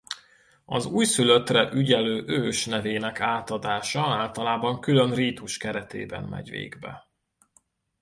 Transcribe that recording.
Az újszülöttre ügyelő ős nevének átadása általában külön rítus keretében megy végbe.